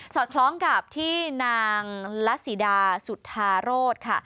อดคล้องกับที่นางละสีดาสุธาโรธค่ะ